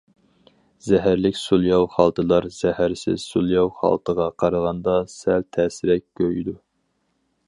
زەھەرلىك سولياۋ خالتىلار زەھەرسىز سولياۋ خالتىغا قارىغاندا سەل تەسرەك كۆيىدۇ.